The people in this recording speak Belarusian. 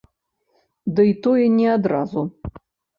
Дый тое не адразу.